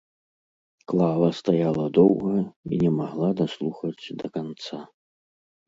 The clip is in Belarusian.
Клава стаяла доўга і не магла даслухаць да канца.